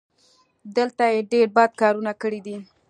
دلته یې ډېر بد کارونه کړي دي.